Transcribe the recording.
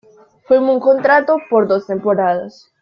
Firmó un contrato por dos temporadas.